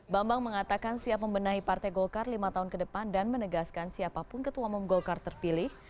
bambang mengatakan siap membenahi partai golkar lima tahun ke depan dan menegaskan siapapun ketua umum golkar terpilih